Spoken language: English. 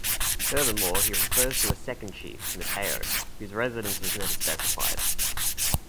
Furthermore, he refers to a second chief, Mateo, whose residence was never specified.